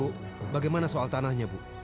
bu bagaimana soal tanahnya bu